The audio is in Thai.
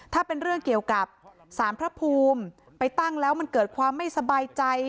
ถ้าเป็นเรื่องเกี่ยวกับสารพระภูมิไปตั้งแล้วมันเกิดความไม่สบายใจ